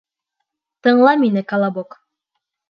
— Тыңла мине, колобок.